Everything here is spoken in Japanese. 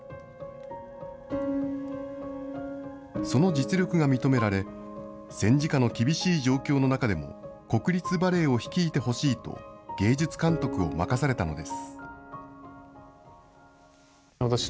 その実力が認められ、戦時下の厳しい状況の中でも、国立バレエを率いてほしいと、芸術監督を任されたのです。